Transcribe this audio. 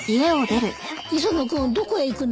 磯野君どこへ行くの？